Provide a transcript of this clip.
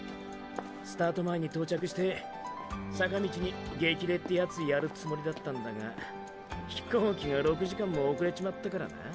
スタート前に到着して坂道に激励ってやつやるつもりだったんだが飛行機が６時間も遅れちまったからな。